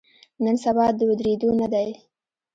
نن سبا د ودریدو نه دی.